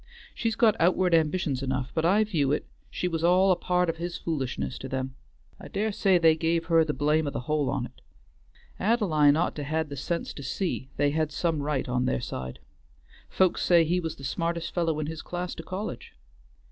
She's got outward ambitions enough, but I view it she was all a part of his foolishness to them; I dare say they give her the blame o' the whole on't. Ad'line ought to had the sense to see they had some right on their side. Folks say he was the smartest fellow in his class to college."